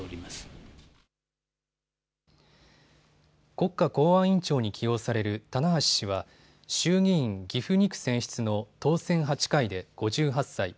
国家公安委員長に起用される棚橋氏は衆議院岐阜２区選出の当選８回で５８歳。